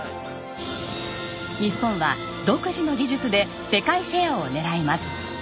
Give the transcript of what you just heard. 日本は独自の技術で世界シェアを狙います。